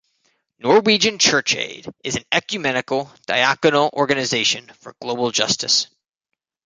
Norwegian Church Aid is an ecumenical diakonal organisation for global justice.